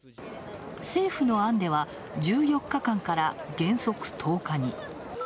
政府の案では１４日間から原則１０日に。